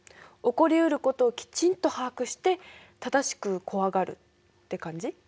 起こりうることをきちんと把握して正しく怖がるって感じ？